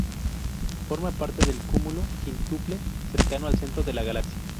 Forma parte del cúmulo Quíntuple cercano al centro de la galaxia.